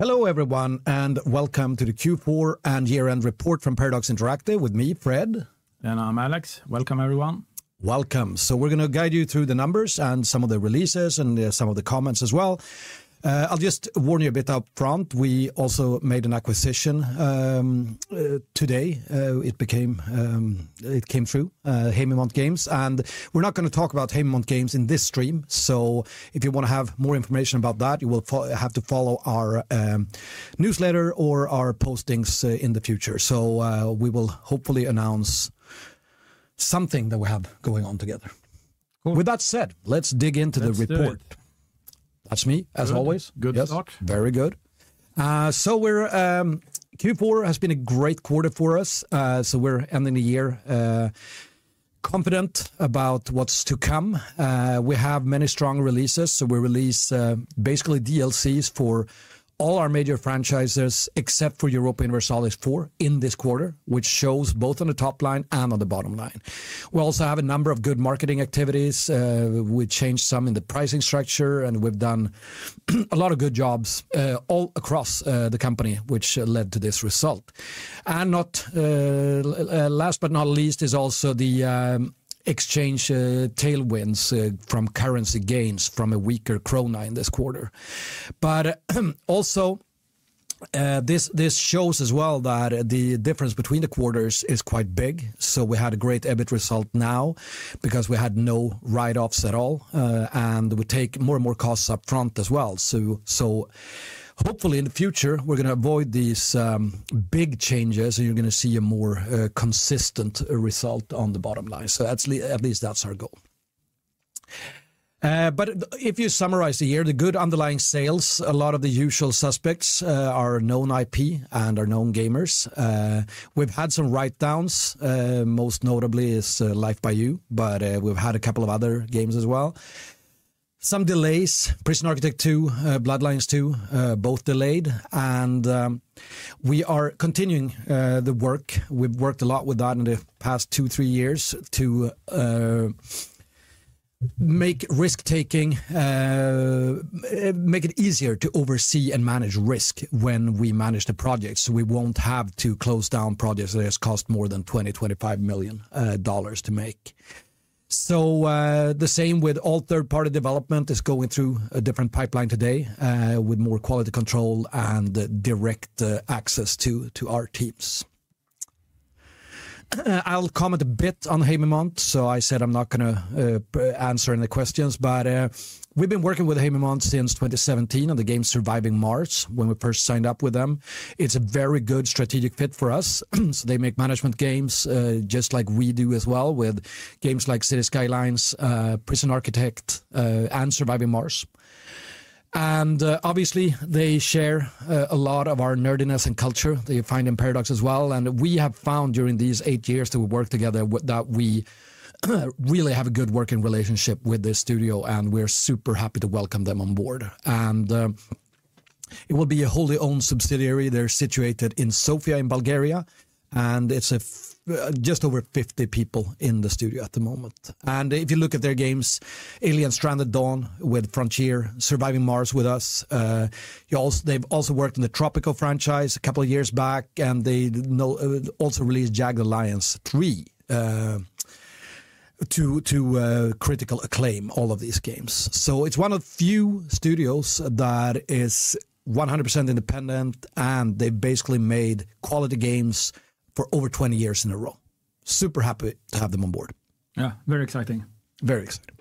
Hello, everyone, and welcome to the Q4 and Year-End Report from Paradox Interactive with me, Fred. I'm Alex. Welcome, everyone. Welcome. So we're going to guide you through the numbers and some of the releases and some of the comments as well. I'll just warn you a bit upfront. We also made an acquisition today. It came through, Haemimont Games, and we're not going to talk about Haemimont Games in this stream. So if you want to have more information about that, you will have to follow our newsletter or our postings in the future. So we will hopefully announce something that we have going on together. With that said, let's dig into the report. That's me, as always. Good to talk. Very good, so Q4 has been a great quarter for us. We're ending the year confident about what's to come. We have many strong releases, so we release basically DLCs for all our major franchises, except for Europa Universalis IV in this quarter, which shows both on the top line and on the bottom line. We also have a number of good marketing activities. We changed some in the pricing structure, and we've done a lot of good jobs all across the company, which led to this result. Last but not least is also the exchange tailwinds from currency gains from a weaker krona in this quarter, but also, this shows as well that the difference between the quarters is quite big. We had a great EBIT result now because we had no write-offs at all, and we take more and more costs upfront as well. Hopefully, in the future, we're going to avoid these big changes. And you're going to see a more consistent result on the bottom line. So at least that's our goal. But if you summarize the year, the good underlying sales, a lot of the usual suspects are known IP and are known games. We've had some write-downs. Most notably is Life by You. But we've had a couple of other games as well. Some delays. Prison Architect 2, Bloodlines 2, both delayed. And we are continuing the work. We've worked a lot with that in the past two, three years to make risk-taking, make it easier to oversee and manage risk when we manage the projects. So we won't have to close down projects that have cost more than $20-$25 million to make. The same with all third-party development is going through a different pipeline today with more quality control and direct access to our teams. I'll comment a bit on Haemimont. So I said I'm not going to answer any questions. But we've been working with Haemimont since 2017 on the game Surviving Mars when we first signed up with them. It's a very good strategic fit for us. So they make management games just like we do as well with games like Cities: Skylines, Prison Architect, and Surviving Mars. And obviously, they share a lot of our nerdiness and culture that you find in Paradox as well. And we have found during these eight years that we work together that we really have a good working relationship with this studio. And we're super happy to welcome them on board. And it will be a wholly owned subsidiary. They're situated in Sofia in Bulgaria, and it's just over 50 people in the studio at the moment, and if you look at their games, Stranded: Alien Dawn with Frontier, Surviving Mars with us. They've also worked in the Tropico franchise a couple of years back, and they also released Jagged Alliance 3 to critical acclaim, all of these games, so it's one of the few studios that is 100% independent, and they basically made quality games for over 20 years in a row. Super happy to have them on board. Yeah, very exciting. Very exciting.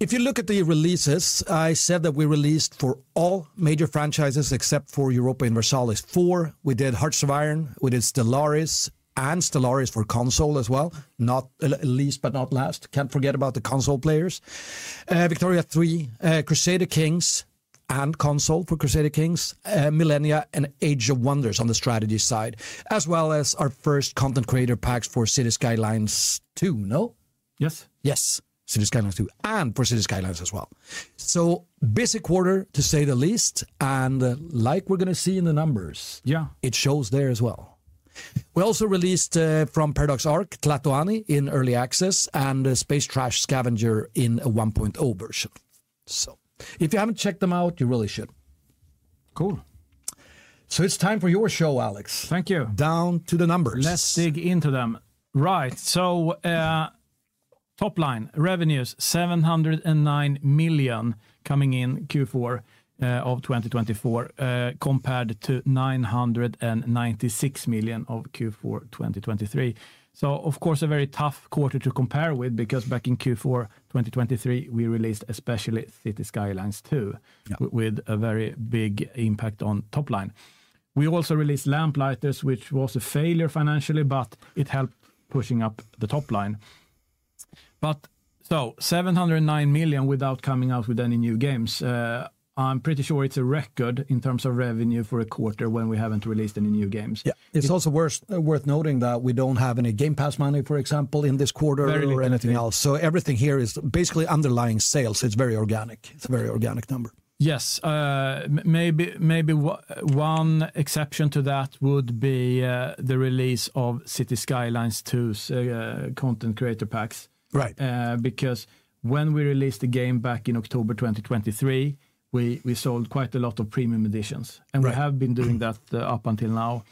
If you look at the releases, I said that we released for all major franchises except for Europa Universalis IV. We did Hearts of Iron. We did Stellaris and Stellaris for console as well. Not least, but not last, can't forget about the console players. Victoria 3, Crusader Kings and console for Crusader Kings, Millennia, and Age of Wonders on the strategy side, as well as our first content creator packs for Cities: Skylines II, no? Yes. Yes, Cities: Skylines II and for Skylines as well. So busy quarter, to say the least. And like we're going to see in the numbers, yeah, it shows there as well. We also released from Paradox Arc, Tlatoani in early access and Space Trash Scavenger in a 1.0 version. So if you haven't checked them out, you really should. Cool. So it's time for your show, Alex. Thank you. Down to the numbers. Let's dig into them. Right. So top line, revenues, MSEK 709 million coming in Q4 of 2024 compared to MSEK 996 million of Q4 2023. So of course, a very tough quarter to compare with because back in Q4 2023, we released especially Cities: Skylines II with a very big impact on top line. We also released Lamplighters, which was a failure financially, but it helped pushing up the top line. So MSEK 709 million without coming out with any new games. I'm pretty sure it's a record in terms of revenue for a quarter when we haven't released any new games. Yeah. It's also worth noting that we don't have any Game Pass money, for example, in this quarter or anything else. So everything here is basically underlying sales. It's very organic. It's a very organic number. Yes. Maybe one exception to that would be the release of Cities: Skylines II's Content Creator Packs. Because when we released the game back in October 2023, we sold quite a lot of premium editions, and we have been doing that up until now,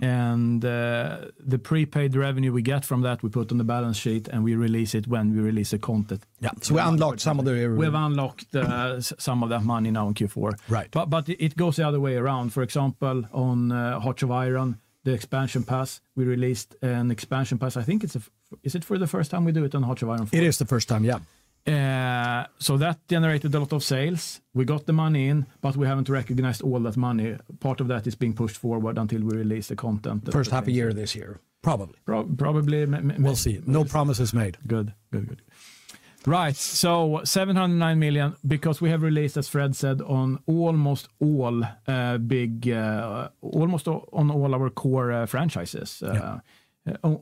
and the prepaid revenue we get from that, we put on the balance sheet, and we release it when we release the content. Yeah. So we unlocked some of the. We've unlocked some of that money now in Q4. But it goes the other way around. For example, on Hearts of Iron, the expansion pass, we released an expansion pass. I think it's a, is it for the first time we do it on Hearts of Iron IV? It is the first time, yeah. So that generated a lot of sales. We got the money in, but we haven't recognized all that money. Part of that is being pushed forward until we release the content. First half a year this year, probably. Probably. We'll see. No promises made. Good. Right. MSEK 709 million because we have released, as Fred said, on almost all big, almost on all our core franchises,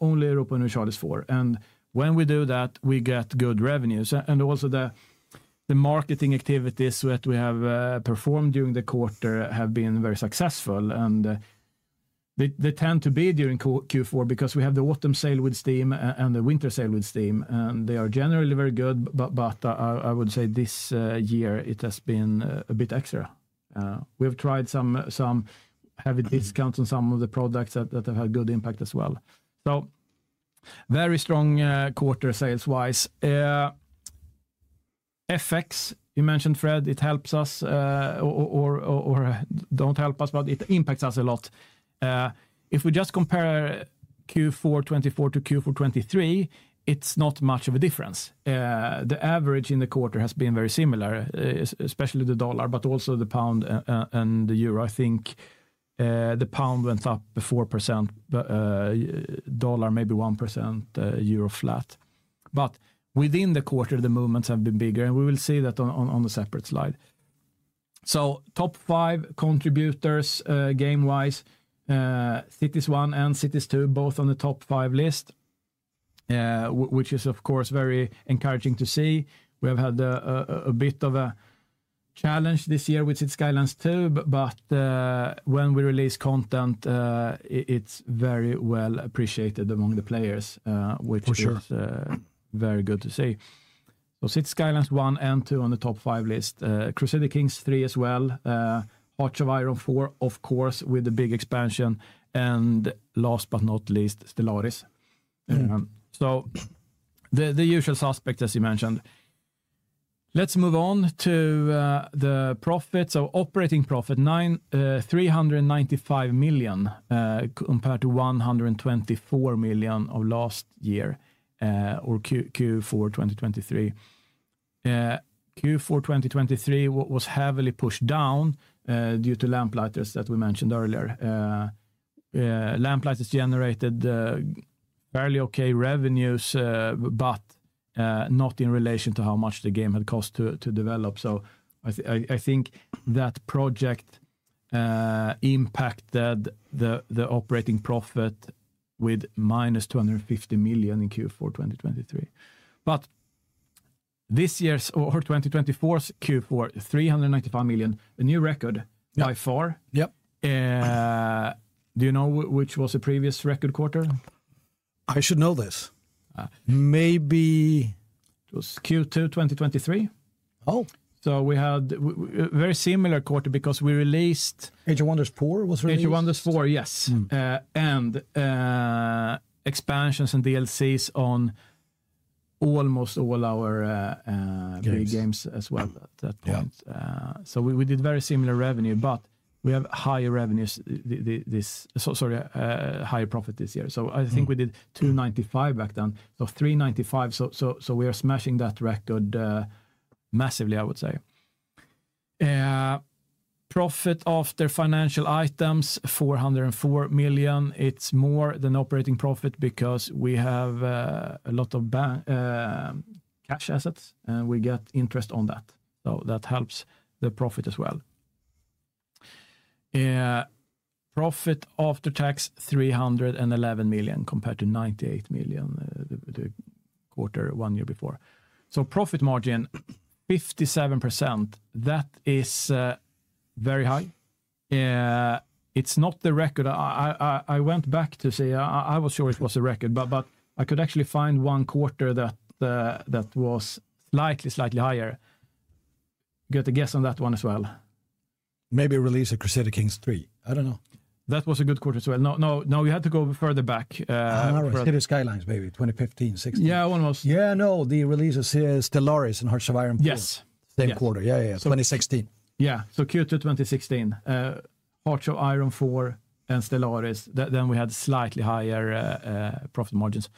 only Europa Universalis IV. When we do that, we get good revenues. Also the marketing activities that we have performed during the quarter have been very successful. They tend to be during Q4 because we have the autumn sale with Steam and the winter sale with Steam. They are generally very good. This year, it has been a bit extra. We have tried some heavy discounts on some of the products that have had good impact as well. Very strong quarter sales-wise. FX, you mentioned, Fred, it helps us or don't help us, but it impacts us a lot. If we just compare Q4 2024 to Q4 2023, it's not much of a difference. The average in the quarter has been very similar, especially the dollar, but also the pound and the euro. I think the pound went up 4%, dollar maybe 1%, euro flat, but within the quarter, the movements have been bigger, and we will see that on a separate slide, so top five contributors game-wise, Cities 1 and Cities 2, both on the top five list, which is, of course, very encouraging to see. We have had a bit of a challenge this year with Skylines II. But when we release content, it's very well appreciated among the players, which is very good to see, so Skylines I and II on the top five list, Crusader Kings III as well, Hearts of Iron IV, of course, with the big expansion, and last but not least, Stellaris, so the usual suspects, as you mentioned. Let's move on to the profits. Operating profit, MSEK 395 million compared to MSEK 124 million of last year or Q4 2023. Q4 2023 was heavily pushed down due to Lamplighters that we mentioned earlier. Lamplighters generated fairly okay revenues, but not in relation to how much the game had cost to develop. So I think that project impacted the operating profit with minus MSEK 250 million in Q4 2023. But this year's or 2024's Q4, MSEK 395 million, a new record by far. Do you know which was the previous record quarter? I should know this. Maybe... It was Q2 2023. Oh. We had a very similar quarter because we released. Age of Wonders 4 was released. Age of Wonders 4, yes. And expansions and DLCs on almost all our big games as well at that point. So we did very similar revenue, but we have higher revenues, sorry, higher profit this year. So I think we did MSEK 295 million back then. So MSEK 395 million. So we are smashing that record massively, I would say. Profit after financial items, MSEK 404 million. It's more than operating profit because we have a lot of cash assets. And we get interest on that. So that helps the profit as well. Profit after tax, MSEK 311 million compared to 98 million the quarter one year before. So profit margin, 57%. That is very high. It's not the record. I went back to see. I was sure it was a record. But I could actually find one quarter that was slightly, slightly higher. Got to guess on that one as well. Maybe release a Crusader Kings III. I don't know. That was a good quarter as well. No, no, no. We had to go further back. I don't know. Cities: Skylines, maybe 2015, 2016. Yeah, almost. Yeah, no. The release is Stellaris and Hearts of Iron IV. Yes. Same quarter. Yeah, yeah, yeah. 2016. Yeah. Q2 2016, Hearts of Iron IV and Stellaris. We had slightly higher profit margins.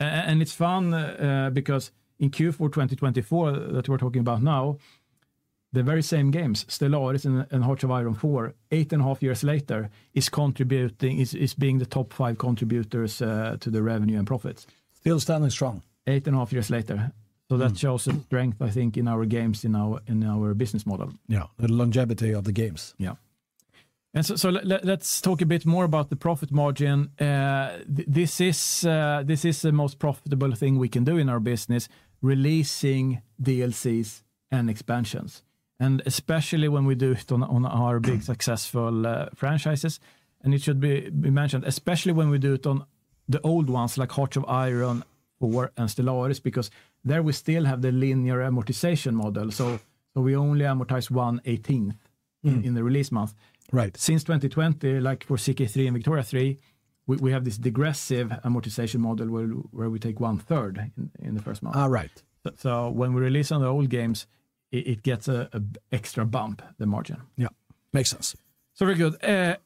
It's fun because in Q4 2024 that we're talking about now, the very same games, Stellaris and Hearts of Iron IV, eight and a half years later, is contributing, is being the top five contributors to the revenue and profits. Still standing strong. Eight and a half years later. So that shows the strength, I think, in our games, in our business model. Yeah. The longevity of the games. Yeah. And so let's talk a bit more about the profit margin. This is the most profitable thing we can do in our business, releasing DLCs and expansions. And especially when we do it on our big successful franchises. And it should be mentioned, especially when we do it on the old ones like Hearts of Iron IV and Stellaris, because there we still have the linear amortization model. So we only amortize one eighteenth in the release month. Since 2020, like for CK3 and Victoria 3, we have this degressive amortization model where we take one third in the first month. Right. So when we release on the old games, it gets an extra bump, the margin. Yeah. Makes sense. Very good.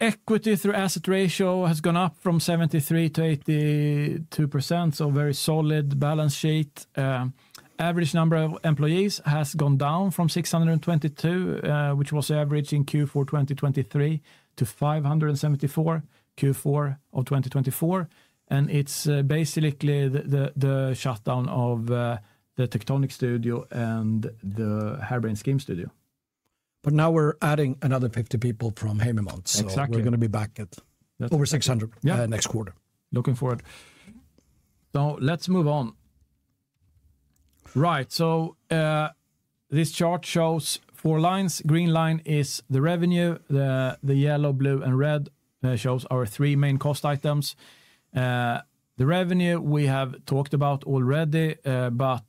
Equity to asset ratio has gone up from 73%-82%. Very solid balance sheet. Average number of employees has gone down from 622, which was average in Q4 2023, to 574 in Q4 of 2024. It's basically the shutdown of Paradox Tectonic and Harebrained Schemes. But now we're adding another 50 people from Haemimont. Exactly. We're going to be back at over 600 next quarter. Looking forward, so let's move on, right, so this chart shows four lines. Green line is the revenue. The yellow, blue, and red shows our three main cost items. The revenue we have talked about already, but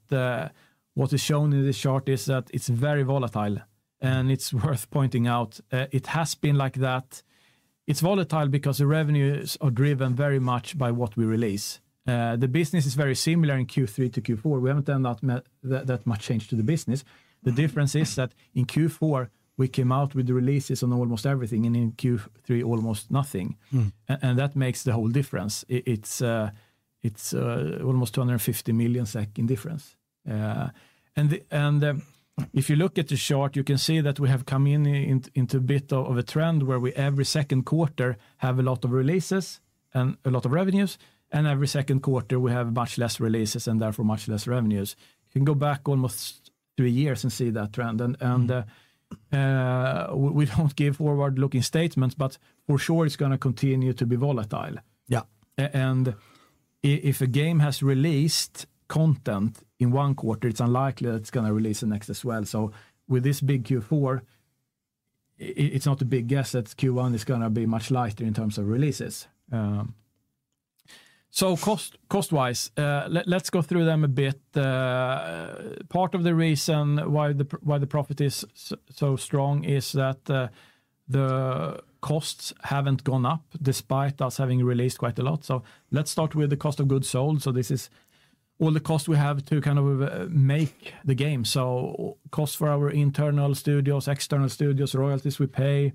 what is shown in this chart is that it's very volatile, and it's worth pointing out. It has been like that. It's volatile because the revenues are driven very much by what we release. The business is very similar in Q3 to Q4. We haven't done that much change to the business. The difference is that in Q4, we came out with releases on almost everything, and in Q3, almost nothing, and that makes the whole difference. It's almost 250 million MSEK difference. If you look at the chart, you can see that we have come into a bit of a trend where we every second quarter have a lot of releases and a lot of revenues. Every second quarter, we have much less releases and therefore much less revenues. You can go back almost two years and see that trend. We don't give forward-looking statements, but for sure, it's going to continue to be volatile. Yeah. If a game has released content in one quarter, it's unlikely that it's going to release the next as well. With this big Q4, it's not a big guess that Q1 is going to be much lighter in terms of releases. Cost-wise, let's go through them a bit. Part of the reason why the profit is so strong is that the costs haven't gone up despite us having released quite a lot. Let's start with the cost of goods sold. This is all the costs we have to kind of make the game. Costs for our internal studios, external studios, royalties we pay,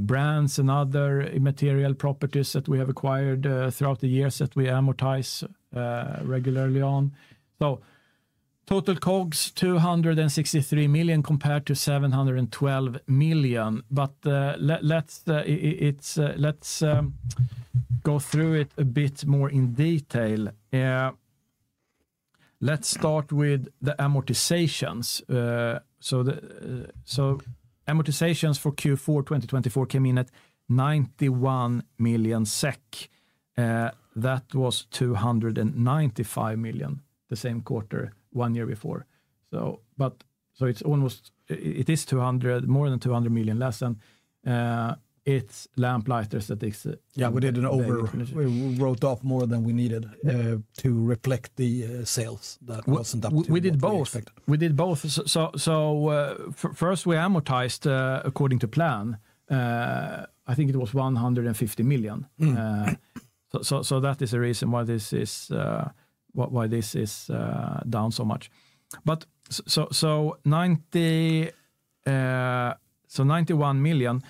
brands, and other immaterial properties that we have acquired throughout the years that we amortize regularly on. Total COGS, MSEK 263 million compared to MSEK 712 million. Let's go through it a bit more in detail. Let's start with the amortizations. Amortizations for Q4 2024 came in at MSEK 91 million. That was MSEK 295 million the same quarter one year before. It's almost, it is more than MSEK 200 million less than it's the Lamplighters League that. Yeah, we did an over. We wrote off more than we needed to reflect the sales that wasn't up to expectation. We did both. We did both. So first, we amortized according to plan. I think it was 150 million. So that is the reason why this is down so much. But, MSEK 91 million,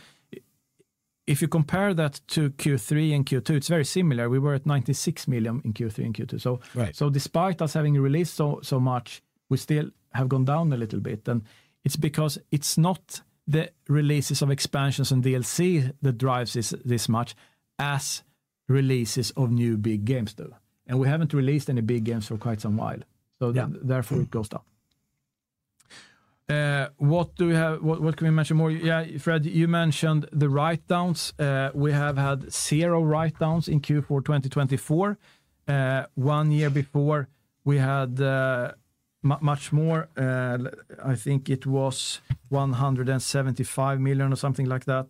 if you compare that to Q3 and Q2, it's very similar. We were at MSEK 96 million in Q3 and Q2. So despite us having released so much, we still have gone down a little bit. And it's because it's not the releases of expansions and DLC that drives this much as releases of new big games do. And we haven't released any big games for quite some while. So therefore, it goes down. What can we mention more? Yeah, Fred, you mentioned the write-downs. We have had zero write-downs in Q4 2024. One year before, we had much more. I think it was MSEK 175 million or something like that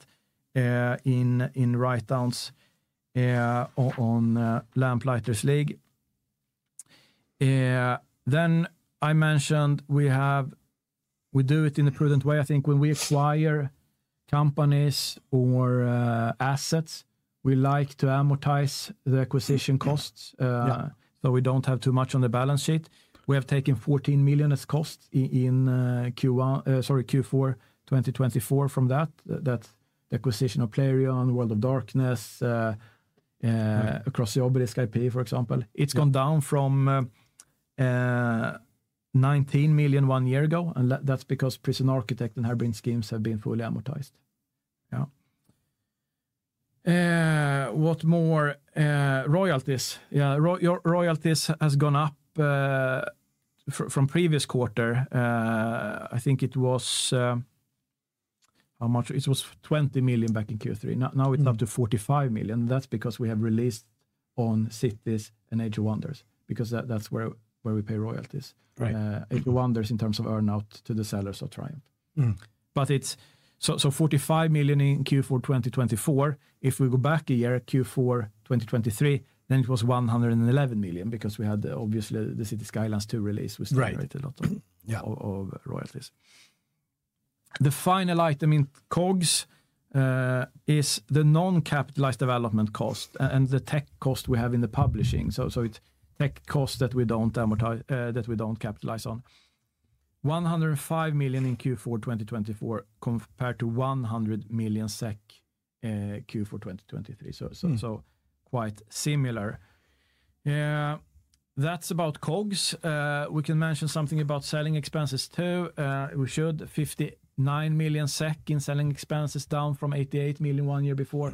in write-downs on Lamplighters League. Then I mentioned we do it in a prudent way. I think when we acquire companies or assets, we like to amortize the acquisition costs so we don't have too much on the balance sheet. We have taken MSEK 14 million as costs in Q4 2024 from that. That's the acquisition of Playrion and World of Darkness, Across the Obelisk IP, for example. It's gone down from MSEK 19 million one year ago. And that's because Prison Architect and Harebrained Schemes have been fully amortized. Yeah. What more? Royalties. Yeah, royalties have gone up from previous quarter. I think it was how much? It was MSEK 20 million back in Q3. Now it's up to MSEK 45 million. That's because we have released on Cities and Age of Wonders because that's where we pay royalties. Age of Wonders in terms of earnout to the sellers of Triumph. But so MSEK 45 million in Q4 2024. If we go back a year, Q4 2023, then it was MSEK 111 million because we had obviously the Cities: Skylines II release. We still paid a lot of royalties. The final item in COGS is the non-capitalized development cost and the tech cost we have in the publishing. So it's tech costs that we don't capitalize on. MSEK 105 million in Q4 2024 compared to MSEK 100 million in Q4 2023. So quite similar. That's about COGS. We can mention something about selling expenses too. We should. MSEK 59 million in selling expenses down from MSEK 88 million one year before.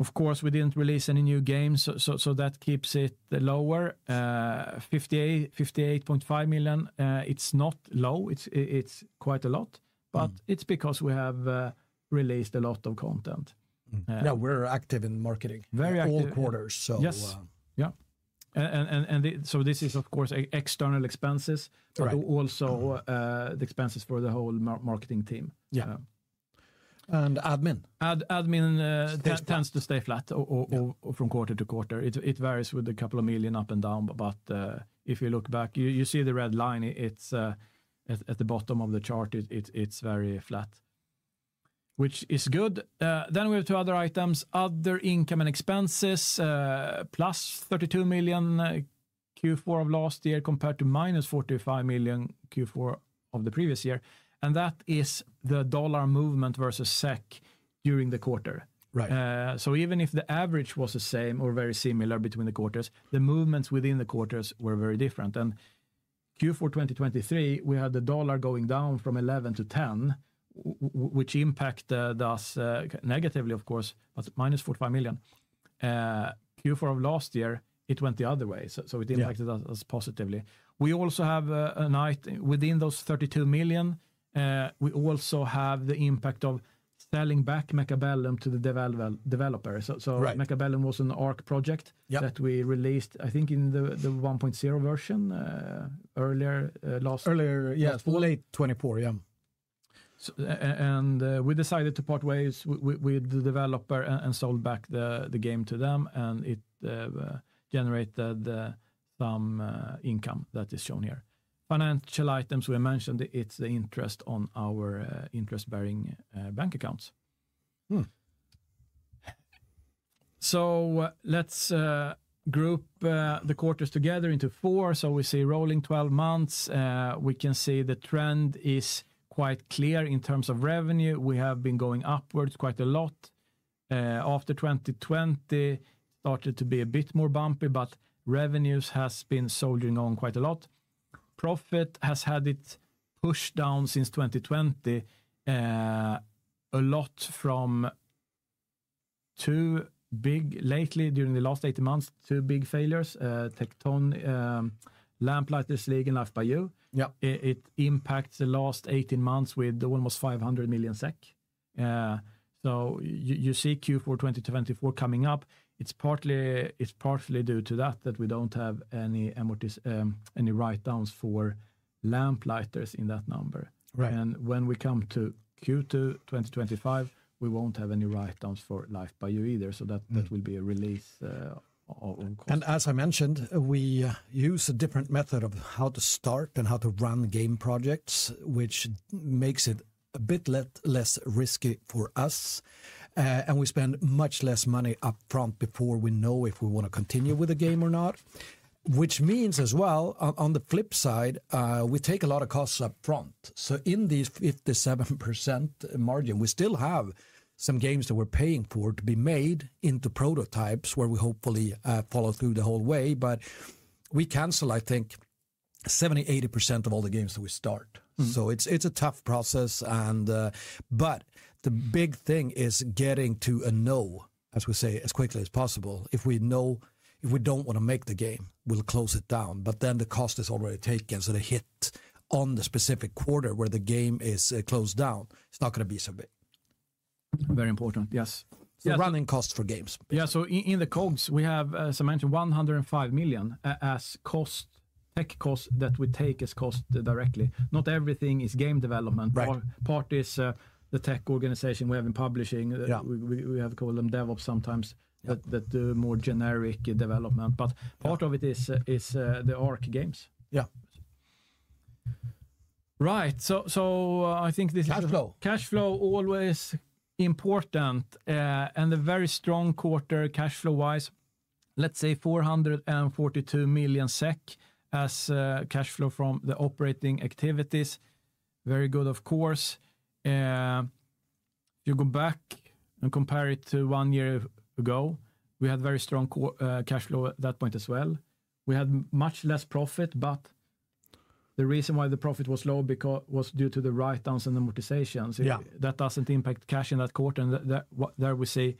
Of course, we didn't release any new games. So that keeps it lower. MSEK 58.5 million. It's not low. It's quite a lot. But it's because we have released a lot of content. Yeah, we're active in marketing all quarters. Very active. Yes. Yeah, and so this is, of course, external expenses, but also the expenses for the whole marketing team. Yeah. And admin. Admin tends to stay flat from quarter to quarter. It varies with a couple of million up and down. But if you look back, you see the red line. It's at the bottom of the chart. It's very flat, which is good. Then we have two other items. Other income and expenses, plus MSEK 32 million Q4 of last year compared to minus MSEK 45 million Q4 of the previous year. And that is the dollar movement versus MSEK during the quarter. So even if the average was the same or very similar between the quarters, the movements within the quarters were very different. And Q4 2023, we had the dollar going down from 11 to 10, which impacted us negatively, of course, but minus MSEK 45 million. Q4 of last year, it went the other way. So it impacted us positively. We also have a note within those MSEK 32 million. We also have the impact of selling back Mechabellum to the developers. Mechabellum was an Arc project that we released, I think, in the 1.0 version earlier. Earlier, yeah. 4824, yeah. We decided to part ways with the developer and sold back the game to them. It generated some income that is shown here. Financial items, we mentioned it's the interest on our interest-bearing bank accounts. Let's group the quarters together into four. We see rolling 12 months. We can see the trend is quite clear in terms of revenue. We have been going upwards quite a lot. After 2020, it started to be a bit more bumpy. Revenues have been soldiering on quite a lot. Profit has had its push down since 2020 a lot from two big lately during the last 18 months, two big failures, The Lamplighters League and Life by You. It impacts the last 18 months with almost MSEK 500 million. You see Q4 2024 coming up. It's partly due to that we don't have any write-downs for Lamplighters in that number. And when we come to Q2 2025, we won't have any write-downs for Life by You either. So that will be a release on cost. As I mentioned, we use a different method of how to start and how to run game projects, which makes it a bit less risky for us. We spend much less money upfront before we know if we want to continue with the game or not, which means as well, on the flip side, we take a lot of costs upfront. In these 57% margin, we still have some games that we're paying for to be made into prototypes where we hopefully follow through the whole way. We cancel, I think, 70%-80% of all the games that we start. It's a tough process. The big thing is getting to a no, as we say, as quickly as possible. If we don't want to make the game, we'll close it down. Then the cost is already taken. So the hit on the specific quarter where the game is closed down, it's not going to be so big. Very important, yes. So, running costs for games. Yeah. In the COGS, we have, as I mentioned, MSEK 105 million as tech costs that we take as cost directly. Not everything is game development. Part is the tech organization we have in publishing. We have called them DevOps sometimes that do more generic development. But part of it is the Arc games. Yeah. Right. So I think this is. Cash flow. Cash flow always important. A very strong quarter cash flow-wise. Let's say MSEK 442 million as cash flow from the operating activities. Very good, of course. If you go back and compare it to one year ago, we had very strong cash flow at that point as well. We had much less profit. The reason why the profit was low was due to the write-downs and amortizations. That doesn't impact cash in that quarter. There we see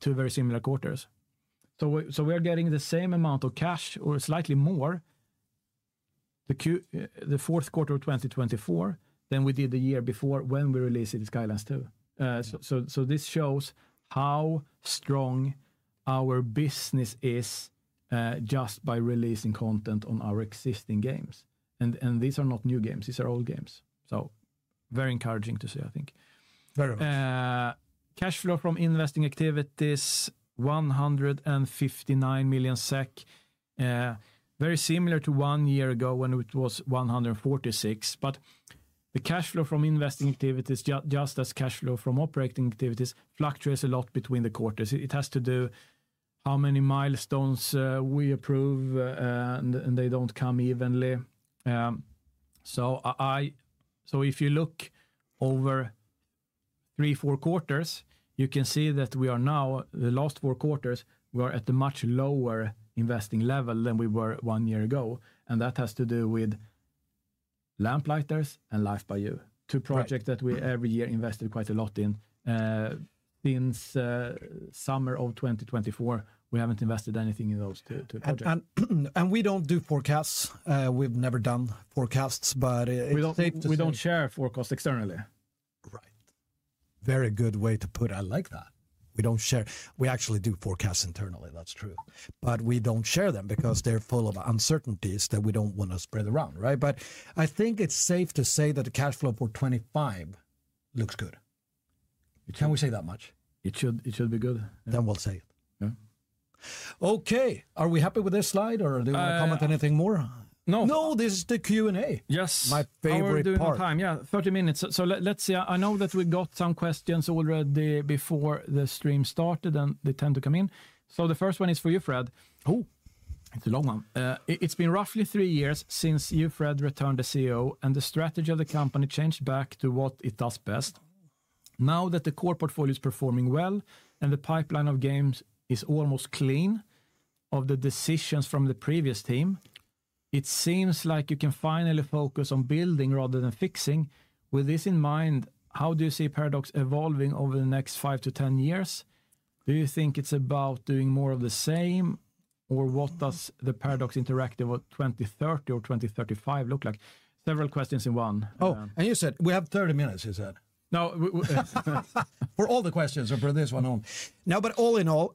two very similar quarters. We are getting the same amount of cash or slightly more the fourth quarter of 2024 than we did the year before when we released Skylines II. This shows how strong our business is just by releasing content on our existing games. These are not new games. These are old games. Very encouraging to see, I think. Very much. Cash flow from investing activities, MSEK 159 million. Very similar to one year ago when it was MSEK 146 million. But the cash flow from investing activities, just as cash flow from operating activities, fluctuates a lot between the quarters. It has to do how many milestones we approve and they don't come evenly. So if you look over three, four quarters, you can see that we are now, the last four quarters, we are at a much lower investing level than we were one year ago. And that has to do with Lamplighters and Life by You, two projects that we every year invested quite a lot in. Since summer of 2024, we haven't invested anything in those two projects. And we don't do forecasts. We've never done forecasts. But it's safe to say. We don't share forecasts externally. Right. Very good way to put it. I like that. We don't share. We actually do forecasts internally. That's true. But we don't share them because they're full of uncertainties that we don't want to spread around. Right. But I think it's safe to say that the cash flow for 2025 looks good. Can we say that much? It should be good. Then we'll say it. Yeah. Okay. Are we happy with this slide or do you want to comment anything more? No. No, this is the Q&A. Yes. My favorite part. Doing time, yeah. 30 minutes. So I know that we got some questions already before the stream started and they tend to come in. So the first one is for you, Fred. Oh, it's a long one. It's been roughly three years since you, Fred, returned as CEO and the strategy of the company changed back to what it does best. Now that the core portfolio is performing well and the pipeline of games is almost clean of the decisions from the previous team, it seems like you can finally focus on building rather than fixing. With this in mind, how do you see Paradox evolving over the next five to 10 years? Do you think it's about doing more of the same or what does the Paradox Interactive 2030 or 2035 look like? Several questions in one. Oh, and you said we have 30 minutes, you said. No. For all the questions or for this one only. No, but all in all,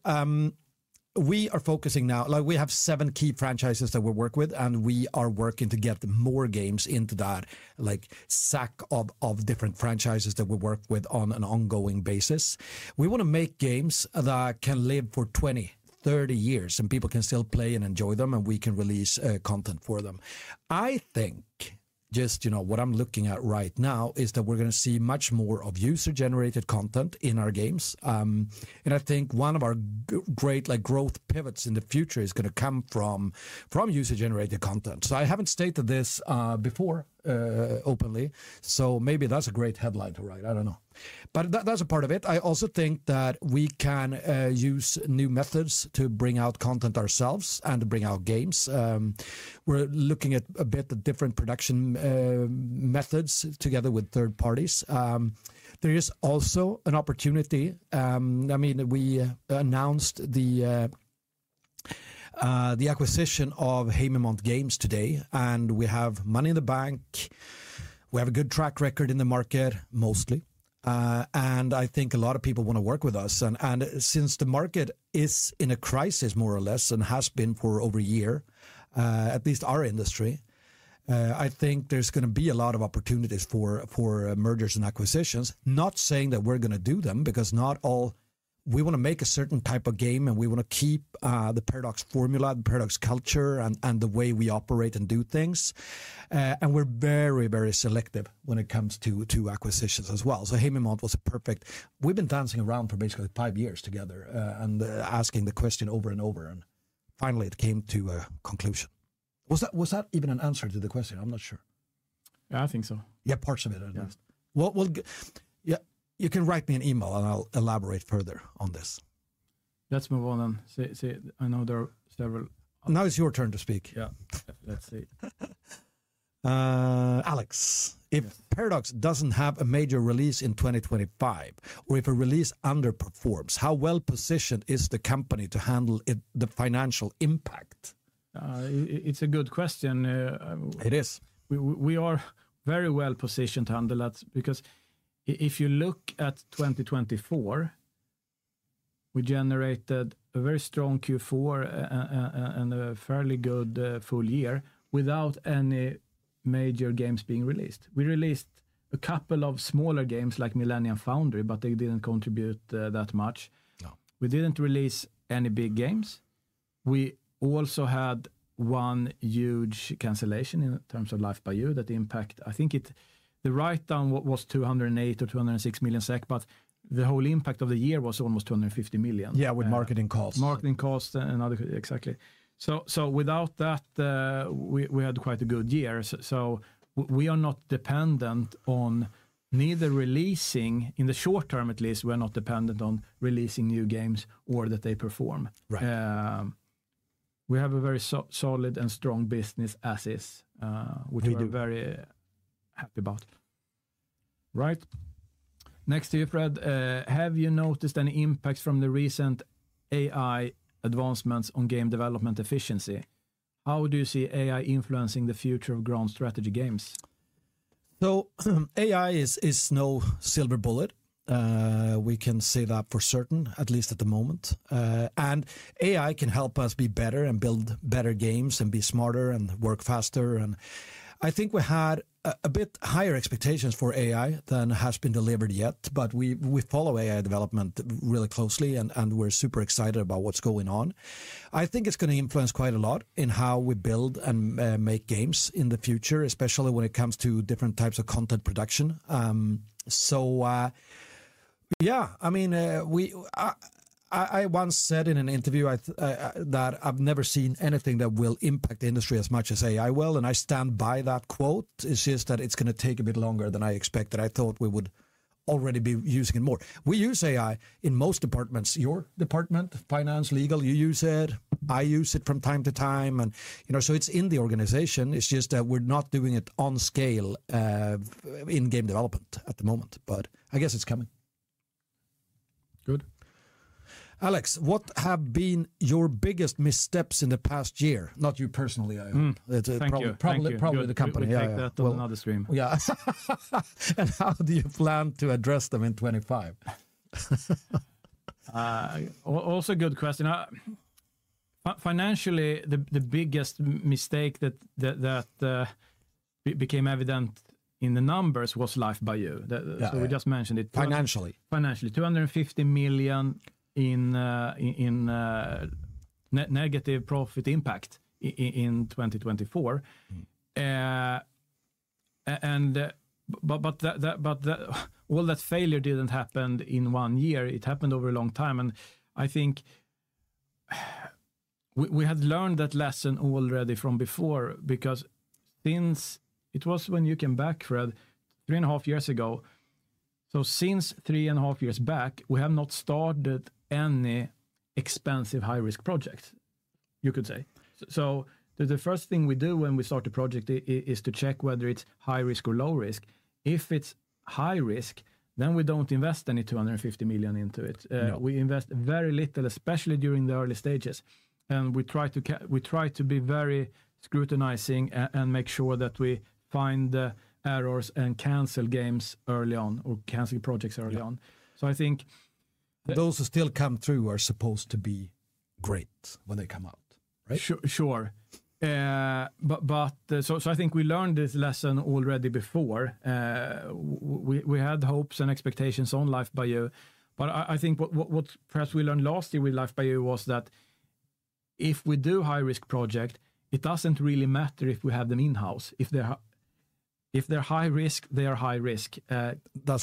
we are focusing now. We have seven key franchises that we work with, and we are working to get more games into that, like a set of different franchises that we work with on an ongoing basis. We want to make games that can live for 20, 30 years, and people can still play and enjoy them, and we can release content for them. I think just what I'm looking at right now is that we're going to see much more of user-generated content in our games, and I think one of our great growth pivots in the future is going to come from user-generated content, so I haven't stated this before openly, so maybe that's a great headline to write. I don't know, but that's a part of it. I also think that we can use new methods to bring out content ourselves and bring out games. We're looking at a bit of different production methods together with third parties. There is also an opportunity. I mean, we announced the acquisition of Haemimont Games today and we have money in the bank. We have a good track record in the market, mostly, and I think a lot of people want to work with us, and since the market is in a crisis, more or less, and has been for over a year, at least our industry, I think there's going to be a lot of opportunities for mergers and acquisitions. Not saying that we're going to do them because not all we want to make a certain type of game and we want to keep the Paradox formula, the Paradox culture, and the way we operate and do things. We're very, very selective when it comes to acquisitions as well. So Haemimont was a perfect. We've been dancing around for basically five years together and asking the question over and over, and finally, it came to a conclusion. Was that even an answer to the question? I'm not sure. Yeah, I think so. Yeah, parts of it at least. Yeah. You can write me an email and I'll elaborate further on this. Let's move on then. I know there are several. Now it's your turn to speak. Yeah. Let's see. Alex, if Paradox doesn't have a major release in 2025 or if a release underperforms, how well positioned is the company to handle the financial impact? It's a good question. It is. We are very well positioned to handle that because if you look at 2024, we generated a very strong Q4 and a fairly good full year without any major games being released. We released a couple of smaller games like Millennia, FOUNDRY, but they didn't contribute that much. We didn't release any big games. We also had one huge cancellation in terms of Life by You that impact I think the write-down was 208 million MSEK or 206 million MSEK. But the whole impact of the year was almost 250 million MSEK. Yeah, with marketing costs. Marketing costs and other exactly. So without that, we had quite a good year. So we are not dependent on neither releasing in the short term, at least we're not dependent on releasing new games or that they perform. We have a very solid and strong business as is, which we're very happy about. Right. Next to you, Fred, have you noticed any impacts from the recent AI advancements on game development efficiency? How do you see AI influencing the future of grand strategy games? So AI is no silver bullet. We can say that for certain, at least at the moment. And AI can help us be better and build better games and be smarter and work faster. And I think we had a bit higher expectations for AI than has been delivered yet. But we follow AI development really closely and we're super excited about what's going on. I think it's going to influence quite a lot in how we build and make games in the future, especially when it comes to different types of content production. So yeah, I mean, I once said in an interview that I've never seen anything that will impact the industry as much as AI will. And I stand by that quote. It's just that it's going to take a bit longer than I expected. I thought we would already be using it more. We use AI in most departments. Your department, finance, legal, you use it. I use it from time to time. And so it's in the organization. It's just that we're not doing it on scale in game development at the moment. But I guess it's coming. Good. Alex, what have been your biggest missteps in the past year? Not you personally. Probably the company. Yeah, another stream. Yeah. How do you plan to address them in 2025? Also a good question. Financially, the biggest mistake that became evident in the numbers was Life by You. So we just mentioned it. Financially. Financially, MSEK 250 million in negative profit impact in 2024, but all that failure didn't happen in one year. It happened over a long time, and I think we had learned that lesson already from before because since it was when you came back, Fred, three and a half years ago. So since three and a half years back, we have not started any expensive high-risk projects, you could say. So the first thing we do when we start a project is to check whether it's high risk or low risk. If it's high risk, then we don't invest any MSEK 250 million into it. We invest very little, especially during the early stages, and we try to be very scrutinizing and make sure that we find errors and cancel games early on or cancel projects early on. So I think. Those who still come through are supposed to be great when they come out, right? Sure, but so I think we learned this lesson already before. We had hopes and expectations on Life by You, but I think what perhaps we learned last year with Life by You was that if we do high-risk projects, it doesn't really matter if we have them in-house. If they're high risk, they are high risk.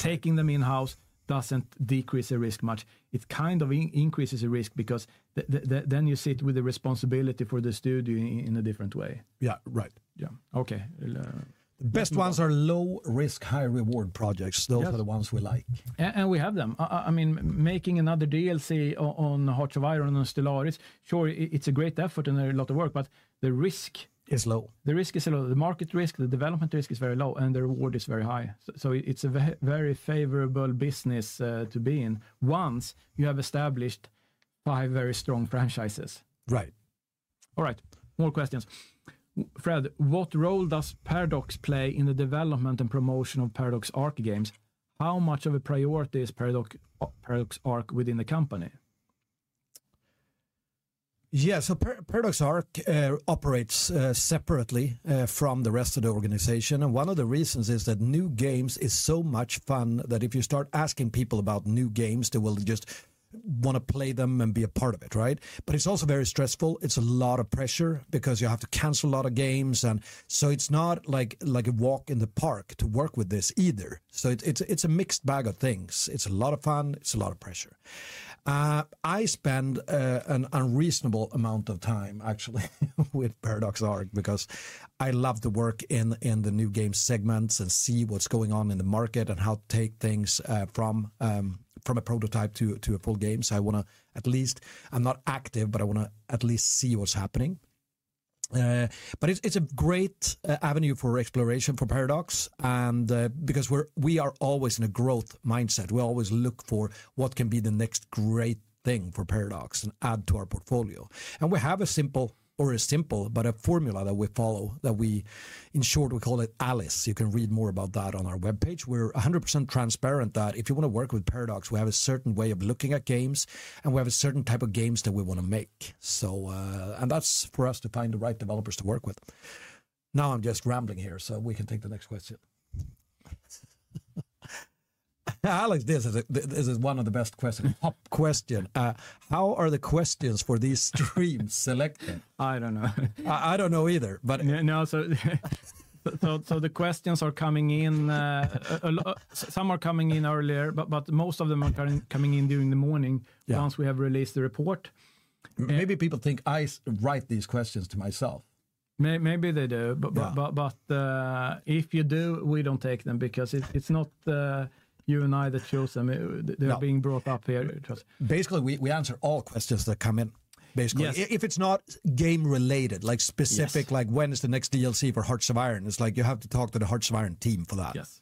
Taking them in-house doesn't decrease the risk much. It kind of increases the risk because then you sit with the responsibility for the studio in a different way. Yeah, right. Yeah. Okay. The best ones are low-risk, high-reward projects. Those are the ones we like. And we have them. I mean, making another DLC on Hearts of Iron IV and Stellaris, sure, it's a great effort and a lot of work, but the risk. Is low. The risk is low. The market risk, the development risk is very low and the reward is very high. So it's a very favorable business to be in once you have established five very strong franchises. Right. All right. More questions. Fred, what role does Paradox play in the development and promotion of Paradox Arc games? How much of a priority is Paradox Arc within the company? Yeah. So Paradox Arc operates separately from the rest of the organization, and one of the reasons is that new games is so much fun that if you start asking people about new games, they will just want to play them and be a part of it, right? It's also very stressful. It's a lot of pressure because you have to cancel a lot of games, and so it's not like a walk in the park to work with this either, so it's a mixed bag of things. It's a lot of fun. It's a lot of pressure. I spend an unreasonable amount of time, actually, with Paradox Arc because I love to work in the new game segments and see what's going on in the market and how to take things from a prototype to a full game. So, I want to at least. I'm not active, but I want to at least see what's happening. But it's a great avenue for exploration for Paradox because we are always in a growth mindset. We always look for what can be the next great thing for Paradox and add to our portfolio. And we have a simple, but a formula that we follow. In short, we call it ALICE. You can read more about that on our webpage. We're 100% transparent that if you want to work with Paradox, we have a certain way of looking at games and we have a certain type of games that we want to make. And that's for us to find the right developers to work with. Now I'm just rambling here so we can take the next question. Alex, this is one of the best questions. Pop question. How are the questions for these streams selected? I don't know. I don't know either, but. No, so the questions are coming in. Some are coming in earlier, but most of them are coming in during the morning once we have released the report. Maybe people think I write these questions to myself. Maybe they do. But if you do, we don't take them because it's not you and I that chose them. They're being brought up here. Basically, we answer all questions that come in, basically. If it's not game-related, like specific, like when is the next DLC for Hearts of Iron IV, it's like you have to talk to the Hearts of Iron IV team for that. Yes,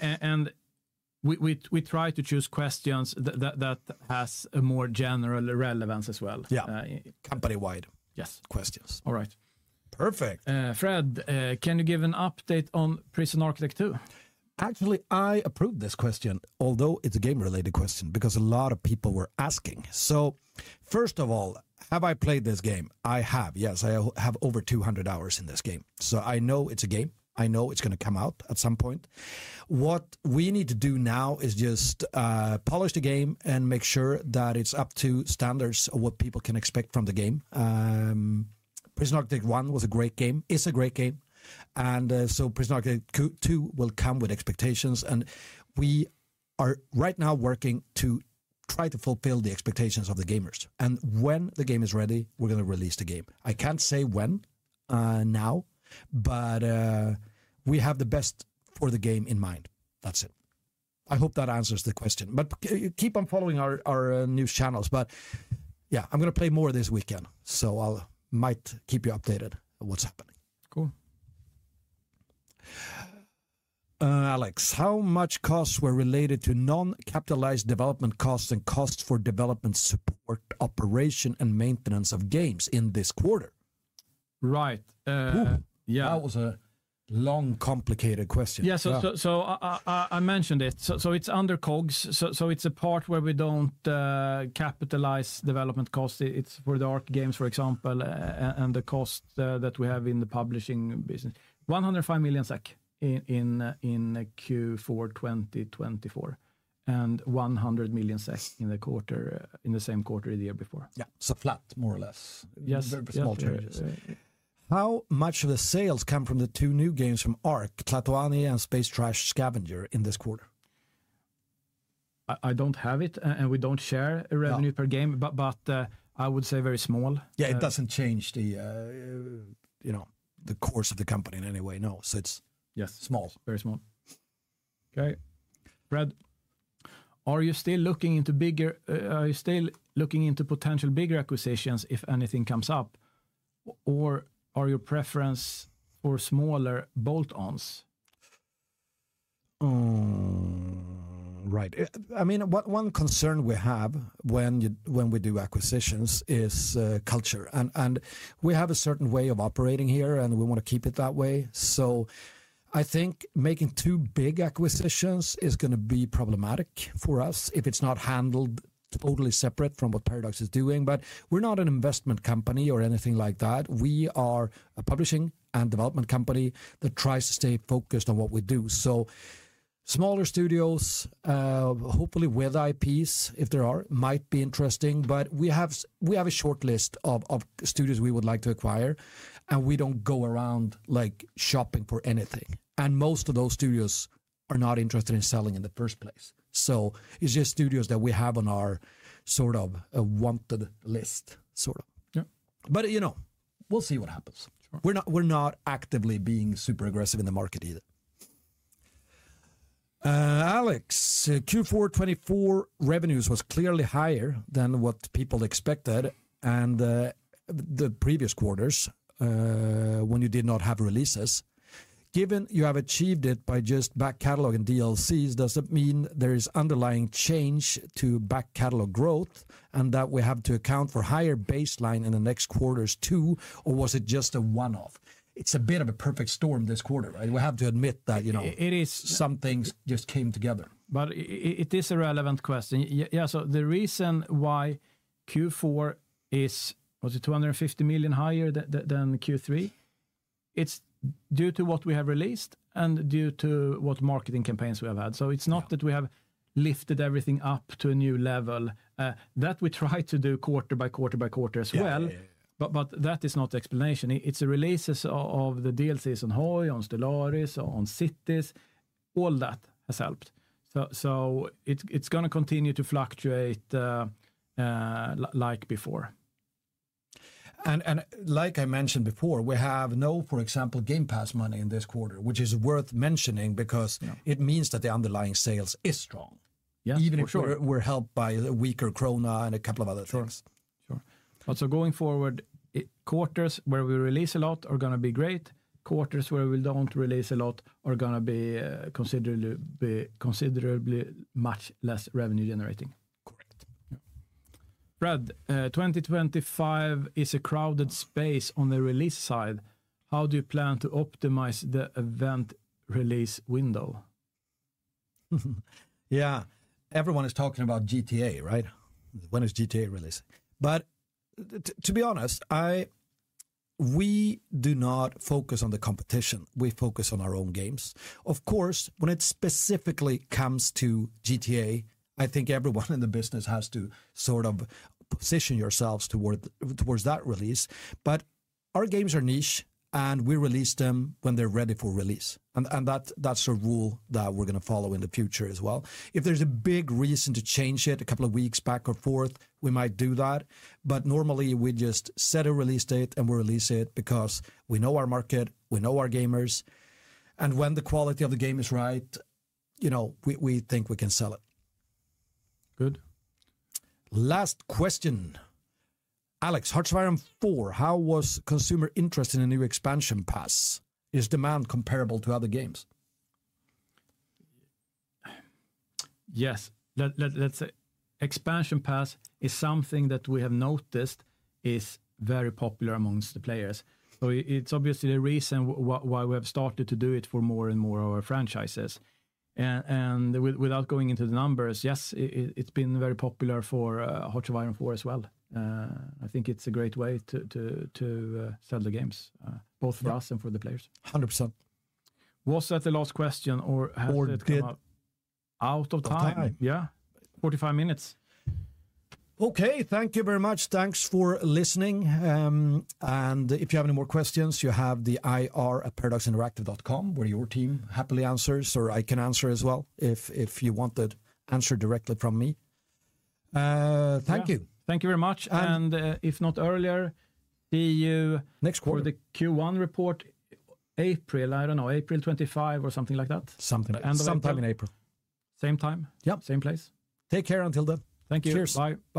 and we try to choose questions that have a more general relevance as well. Yeah. Company-wide questions. Yes. All right. Perfect. Fred, can you give an update on Prison Architect 2? Actually, I approved this question, although it's a game-related question because a lot of people were asking. So first of all, have I played this game? I have. Yes, I have over 200 hours in this game. So I know it's a game. I know it's going to come out at some point. What we need to do now is just polish the game and make sure that it's up to standards of what people can expect from the game. Prison Architect was a great game. It's a great game. And so Prison Architect 2 will come with expectations. And we are right now working to try to fulfill the expectations of the gamers. And when the game is ready, we're going to release the game. I can't say when now, but we have the best for the game in mind. That's it. I hope that answers the question. But keep on following our news channels. But yeah, I'm going to play more this weekend. So I might keep you updated on what's happening. Cool. Alex, how much costs were related to non-capitalized development costs and costs for development support, operation, and maintenance of games in this quarter? Right. Yeah. That was a long, complicated question. Yeah, so I mentioned it, so it's under COGS, so it's a part where we don't capitalize development costs. It's for the Arc games, for example, and the cost that we have in the publishing business, MSEK 105 million in Q4 2024 and MSEK 100 million in the same quarter the year before. Yeah, so flat, more or less. Yes. Small changes. How much of the sales come from the two new games from Arc, Tlatoani, and Space Trash Scavenger in this quarter? I don't have it. And we don't share revenue per game. But I would say very small. Yeah. It doesn't change the course of the company in any way. No. So it's small. Yes. Very small. Okay. Fred, are you still looking into potential bigger acquisitions if anything comes up? Or are your preference for smaller bolt-ons? Right. I mean, one concern we have when we do acquisitions is culture. And we have a certain way of operating here, and we want to keep it that way. So I think making too big acquisitions is going to be problematic for us if it's not handled totally separate from what Paradox is doing. But we're not an investment company or anything like that. We are a publishing and development company that tries to stay focused on what we do. So smaller studios, hopefully with IPs if there are, might be interesting. But we have a short list of studios we would like to acquire. And we don't go around shopping for anything. And most of those studios are not interested in selling in the first place. So it's just studios that we have on our sort of wanted list, sort of. But we'll see what happens. We're not actively being super aggressive in the market either. Alex, Q4 2024 revenues was clearly higher than what people expected the previous quarters when you did not have releases. Given you have achieved it by just back catalog and DLCs, does that mean there is underlying change to back catalog growth and that we have to account for higher baseline in the next quarters too? Or was it just a one-off? It's a bit of a perfect storm this quarter, right? We have to admit that something just came together. But it is a relevant question. Yeah. So the reason why Q4 is, was it 250 million higher than Q3? It's due to what we have released and due to what marketing campaigns we have had. So it's not that we have lifted everything up to a new level. That we try to do quarter by quarter by quarter as well. But that is not the explanation. It's the releases of the DLCs on HOI, on Stellaris, on Cities. All that has helped. So it's going to continue to fluctuate like before. Like I mentioned before, we have no, for example, Game Pass money in this quarter, which is worth mentioning because it means that the underlying sales is strong. Yeah, for sure. Even if we're helped by a weaker Krona and a couple of other things. Sure. So going forward, quarters where we release a lot are going to be great. Quarters where we don't release a lot are going to be considerably much less revenue-generating. Correct. Fred, 2025 is a crowded space on the release side. How do you plan to optimize the event release window? Yeah. Everyone is talking about GTA, right? When is GTA release? But to be honest, we do not focus on the competition. We focus on our own games. Of course, when it specifically comes to GTA, I think everyone in the business has to sort of position yourselves towards that release. But our games are niche, and we release them when they're ready for release. And that's a rule that we're going to follow in the future as well. If there's a big reason to change it a couple of weeks back or forth, we might do that. But normally, we just set a release date and we release it because we know our market, we know our gamers. And when the quality of the game is right, we think we can sell it. Good. Last question. Alex, Hearts of Iron IV, how was consumer interest in a new expansion pass? Is demand comparable to other games? Yes. Expansion Pass is something that we have noticed is very popular among the players. So it's obviously the reason why we have started to do it for more and more of our franchises. And without going into the numbers, yes, it's been very popular for Hearts of Iron IV as well. I think it's a great way to sell the games, both for us and for the players. 100%. Was that the last question or has it come out? Out of time. Out of time? Yeah. 45 minutes. Okay. Thank you very much. Thanks for listening and if you have any more questions, you have the ir@paradoxinteractive.com where your team happily answers, or I can answer as well if you want an answer directly from me. Thank you. Thank you very much. And if not earlier, see you. Next quarter. For the Q1 report, April, I don't know, April 25 or something like that. Something like that. Sometime in April. Same time? Yep. Same place? Take care until then. Thank you. Cheers. Bye.